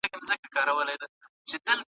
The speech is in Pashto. ایا بهرني سوداګر چارمغز پلوري؟